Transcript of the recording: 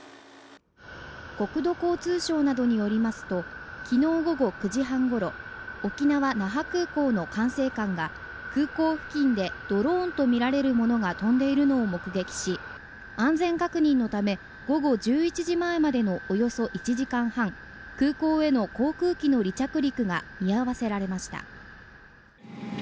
国土交通省などによりますときのう午後９時半ごろ沖縄那覇空港の管制官が空港付近でドローンとみられるものが飛んでいるのを目撃し安全確認のため午後１１時前までのおよそ１時間半空港への航空機の離着陸が見合わせられました